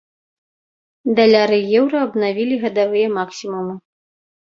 Даляр і еўра абнавілі гадавыя максімумы.